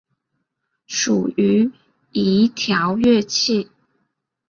属于移调乐器。